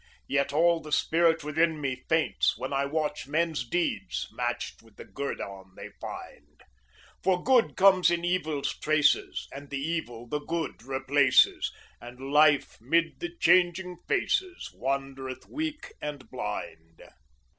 Yet all the spirit within me Faints, when I watch men's deeds matched with the guerdon they find. For Good comes in Evil's traces, And the Evil the Good replaces; And Life, 'mid the changing faces, Wandereth weak and blind.